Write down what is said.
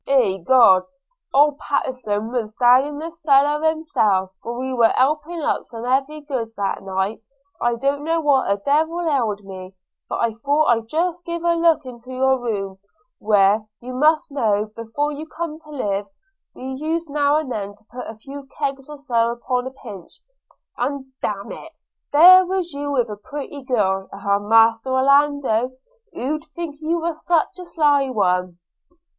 'Egod, Old Pattenson was down in the cellar himself, for we were helping up some heavy goods that night; I don't know what a devil ail'd me, but I thought I'd just give a look into your room, where, you must know, before you comed to live, we used now and then to put a few kegs or so upon a pinch – and, d – n it! there was you with a pretty girl. Ah, Master Orlando! who'd think you was such a sly one?'